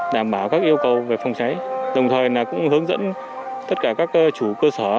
đảm bảo các yêu cầu về phòng cháy đồng thời cũng hướng dẫn tất cả các chủ cơ sở